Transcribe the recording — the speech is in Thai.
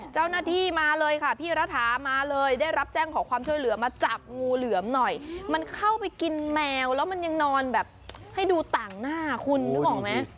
เจ้าหน้าที่มาเลยค่ะพี่ระถามาเลยได้รับแจ้งขอความช่วยเหลือมาจับงูเหลือมหน่อยมันเข้าไปกินแมวแล้วมันยังนอนแบบให้ดูต่างหน้าคุณนึกออกไหม